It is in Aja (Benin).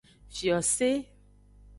Fiose.